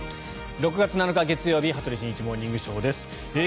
６月７日、月曜日「羽鳥慎一モーニングショー」。